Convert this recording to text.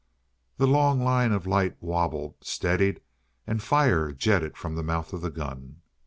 That long line of light wobbled, steadied, and fire jetted from the mouth of the gun.